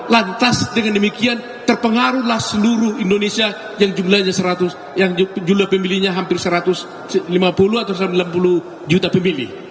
lantas dengan demikian terpengaruhlah seluruh indonesia yang jumlahnya seratus yang jumlah pemilihnya hampir satu ratus lima puluh atau satu ratus enam puluh juta pemilih